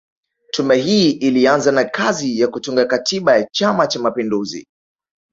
Tume hii ilianza na kazi ya kutunga Katiba ya Chama Cha mapinduzi